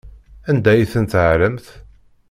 Anda ay ten-tɛerramt?